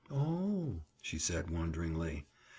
"Oh!" she said wonderingly.